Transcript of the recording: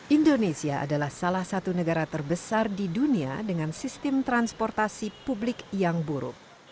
indonesia adalah salah satu negara terbesar di dunia dengan sistem transportasi publik yang buruk